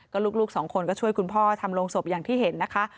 ลูกสองคนก็ช่วยคุณพ่อทำโรงศพอย่างที่เห็นนะคะ